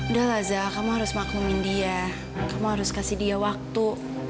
udah laza kamu harus maklumin dia kamu harus kasih dia waktu